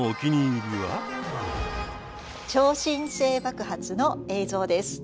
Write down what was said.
超新星爆発の映像です。